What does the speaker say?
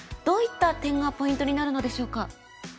どういった点がポイントになるのでしょうか。